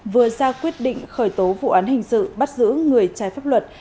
vừa ra quyết định khởi tố vụ án hình sự bắt giữ người trái pháp luật